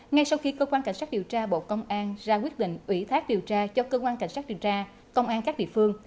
ngay sau khi cơ quan cảnh sát điều tra bộ công an ra quyết định ủy thác điều tra cho cơ quan cảnh sát điều tra công an các địa phương